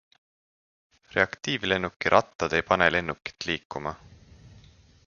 Reaktiivlennuki rattad ei pane lennukit liikuma.